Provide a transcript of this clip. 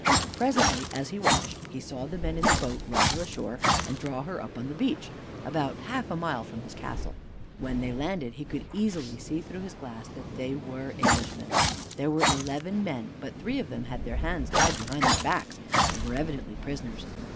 Presently, as he watched, he saw the men in the boat run her ashore and draw her up on the beach, about half a mile from his castle. When they had landed, he could easily see through his glass that they were Englishmen. There were eleven men, but three of them had their hands tied behind their backs, and were evidently prisoners.